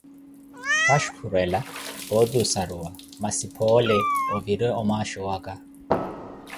Kaxhukhurela, pooti osaruwa, masi phoole, ovire omaaxho waka.